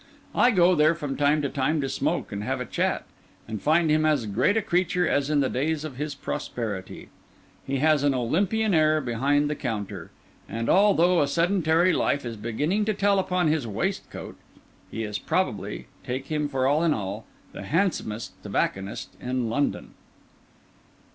I go there from time to time to smoke and have a chat, and find him as great a creature as in the days of his prosperity; he has an Olympian air behind the counter; and although a sedentary life is beginning to tell upon his waistcoat, he is probably, take him for all in all, the handsomest tobacconist in London.